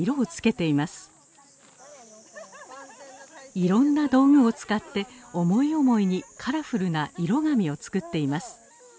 いろんな道具を使って思い思いにカラフルな色紙を作っています。